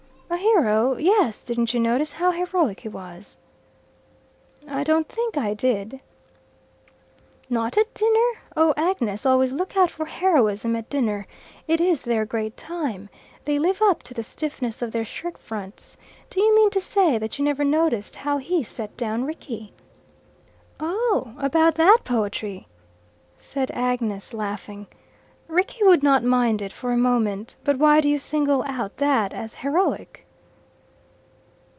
"A hero? Yes. Didn't you notice how heroic he was?" "I don't think I did." "Not at dinner? Ah, Agnes, always look out for heroism at dinner. It is their great time. They live up to the stiffness of their shirt fronts. Do you mean to say that you never noticed how he set down Rickie?" "Oh, that about poetry!" said Agnes, laughing. "Rickie would not mind it for a moment. But why do you single out that as heroic?"